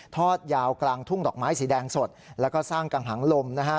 ทอดยาวกลางทุ่งดอกไม้สีแดงสดแล้วก็สร้างกังหางลมนะฮะ